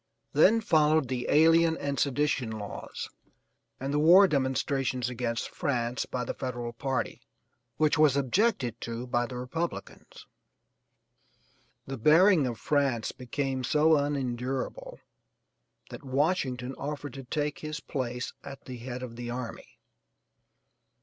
Then followed the alien and sedition laws and the war demonstrations against France by the federal party, which was objected to by the Republicans. The bearing of France became so unendurable that Washington offered to take his place at the head of the army.